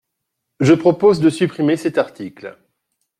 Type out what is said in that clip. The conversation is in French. Je propose de supprimer cet article.